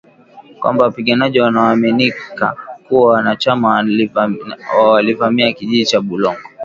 kwamba wapiganaji wanaoaminika kuwa wanachama wa walivamia kijiji cha Bulongo